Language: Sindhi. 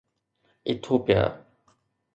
ايٿوپيا